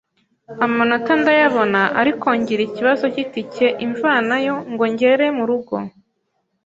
amanota ndayabona ariko ngira ikibazo cy’itike imvanayo ngo ngere mu rugo